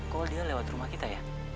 kalau dia lewat rumah kita ya